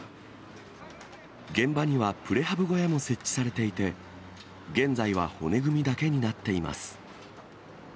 現場にはプレハブ小屋も設置されていて、現在は骨組みだけになっています。